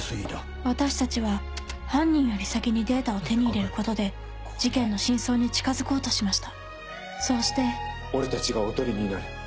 私たちは犯人より先にデータを手に入れることで事件の真相に近づこうとしましたそうして俺たちがおとりになる。